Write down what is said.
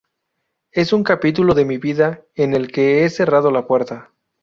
Es un capítulo de mi vida en el que he cerrado la puerta.